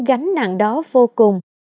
gánh nặng đó vô cùng